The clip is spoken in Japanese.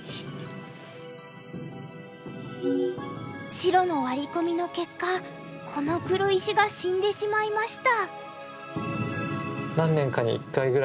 白のワリコミの結果この黒石が死んでしまいました。